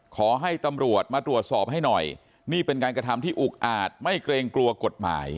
ขอให้ตำรวจมาตรวจสอบให้หน่อยนี่เป็นการกระทำที่อุกอาจไม่เกรงกลัวกฎหมาย